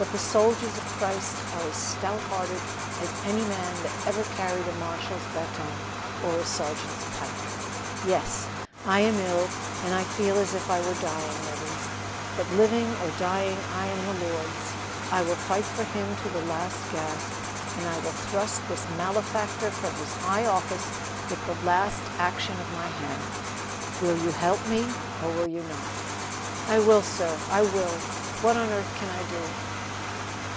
But the soldiers of Christ are as stout hearted as any man that ever carried a marshal's baton or a sergeant's pike. Yes! I am ill, and I feel as if I were dying, Evans; but living or dying I am the Lord's. I will fight for Him to the last gasp, and I will thrust this malefactor from his high office with the last action of my hand Will you help me, or will you not?" "I will, sir! I will! What on earth can I do?"